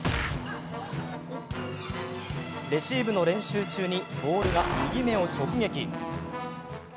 レシーブの練習中にボールが右目を直撃。